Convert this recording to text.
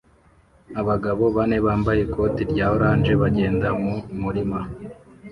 Abagabo bane bambaye ikoti rya orange bagenda mu murima